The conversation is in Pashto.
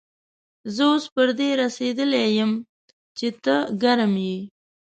زه اوس پر دې رسېدلی يم چې ته ګرم يې.